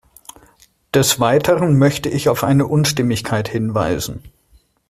Des weiteren möchte ich auf eine Unstimmigkeit hinweisen.